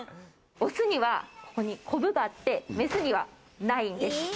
オスにはここにコブがあって、メスにはないんです。